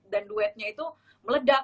dan duetnya itu meledak